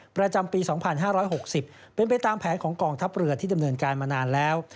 ประจำปี๒๕๖๐เป็นไปตามแผนของกองทัพเรือที่ดำเนินการมานานแล้ว